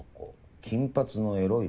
「金髪のエロい女」。